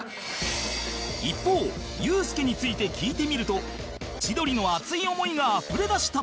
一方ユースケについて聞いてみると千鳥の熱い思いがあふれ出した！